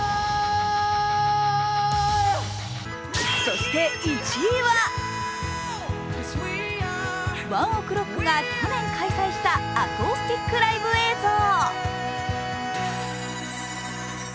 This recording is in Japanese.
そして１位はＯＮＥＯＫＲＯＣＫが去年開催したアコースティックライブ映像。